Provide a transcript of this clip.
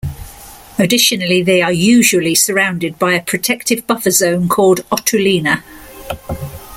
Additionally, they are usually surrounded by a protective buffer zone called "otulina".